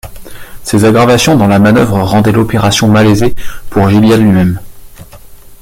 Ces aggravations dans la manœuvre rendaient l’opération malaisée pour Gilliatt lui-même.